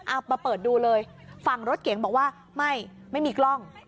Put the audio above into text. มาเปิดดูเลยฝั่งรถเก๋งบอกว่าไม่ไม่มีกล้อง